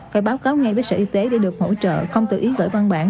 phải báo cáo ngay với sở y tế để được hỗ trợ không tự ý gửi văn bản